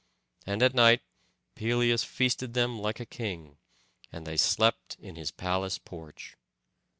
And at night Pelias feasted them like a king, and they slept in his palace porch.